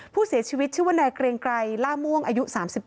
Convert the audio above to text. ผู้เสียชีวิตชื่อว่านายเกรงไกรล่าม่วงอายุ๓๗